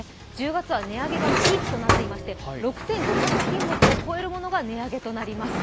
１０月は値上げがピークとなっていまして６５００品目を超えるものが値上げとなります。